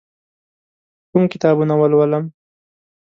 کوم کتابونه ولولم؟